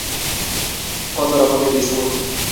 কত রকমের বিস্কুট!